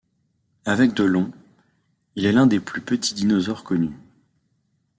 Avec de long, il est l'un des plus petits dinosaures connus.